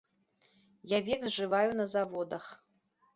Я век зжываю на заводах.